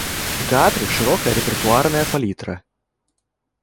У тэатры шырокая рэпертуарная палітра.